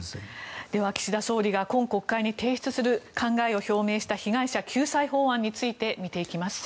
では岸田総理が今国会に提出する考えを表明した被害者救済法案について見ていきます。